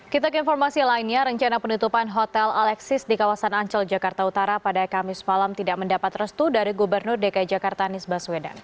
kita ke informasi lainnya rencana penutupan hotel alexis di kawasan ancol jakarta utara pada kamis malam tidak mendapat restu dari gubernur dki jakarta anies baswedan